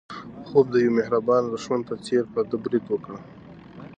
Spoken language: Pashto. خوب د یو مهربانه دښمن په څېر په ده برید وکړ.